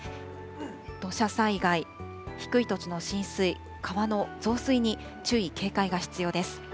土砂災害、低い土地の浸水、川の増水に注意、警戒が必要です。